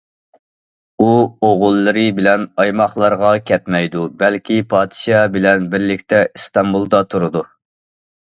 ئۇ ئوغۇللىرى بىلەن ئايماقلارغا كەتمەيدۇ، بەلكى پادىشاھ بىلەن بىرلىكتە ئىستانبۇلدا تۇرىدۇ.